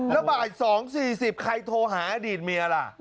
แล้วบ่าย๒๔๐ใครโทรหาอดีตเมียล่ะ